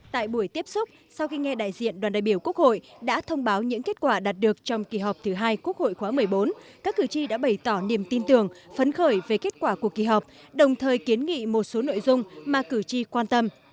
tại buổi tiếp xúc sau khi nghe đại diện đoàn đại biểu quốc hội đã thông báo những kết quả đạt được trong kỳ họp thứ hai quốc hội khóa một mươi bốn các cử tri đã bày tỏ niềm tin tưởng phấn khởi về kết quả của kỳ họp đồng thời kiến nghị một số nội dung mà cử tri quan tâm